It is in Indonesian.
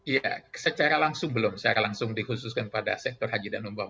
ya secara langsung belum secara langsung dikhususkan pada sektor haji dan umroh